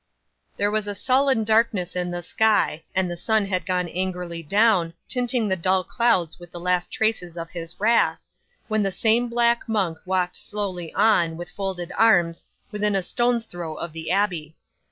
'There was a sullen darkness in the sky, and the sun had gone angrily down, tinting the dull clouds with the last traces of his wrath, when the same black monk walked slowly on, with folded arms, within a stone's throw of the abbey.